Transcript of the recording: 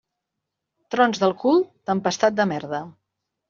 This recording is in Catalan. Trons del cul, tempestat de merda.